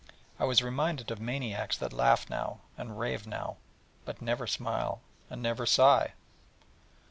I was reminded of maniacs that laugh now, and rave now but never smile, and never sigh.